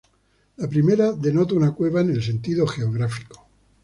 La primera denota una cueva en el sentido geográfico.